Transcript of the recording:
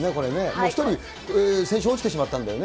もう１人、先週落ちてしまったんだよね。